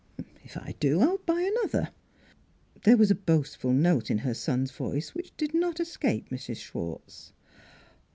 " If I do, I'll buy another." NEIGHBORS 239 There was a boastful note in her son's voice which did not escape Mrs. Schwartz.